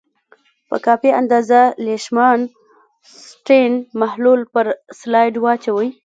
په کافي اندازه لیشمان سټین محلول پر سلایډ واچوئ.